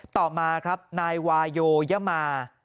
ต่อมาครับนายวาโยยมา